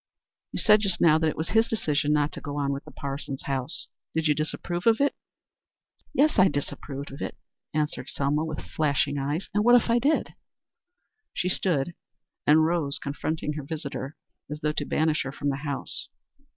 You said just now that it was his decision not to go on with the Parsons house. Did you disapprove of it?" "Yes, I disapproved of it," answered Selma with flashing eyes. "And what if I did?" She rose and stood confronting her visitor as though to banish her from the house.